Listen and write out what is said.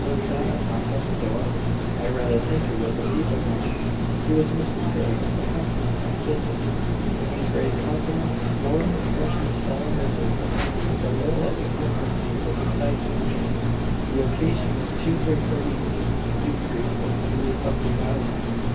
Was that a knock at the door?" "I rather think it was a feeble knock." It was Mrs Grey, accompanied by Sydney. Mrs Grey's countenance wore an expression of solemn misery, with a little of the complacency of excitement under it. The occasion was too great for winks: mute grief was the mood of the hour.